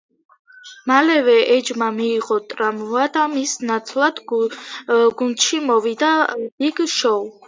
მალევე ეჯმა მიიღო ტრავმა და მის ნაცვლად გუნდში მოვიდა ბიგ შოუ.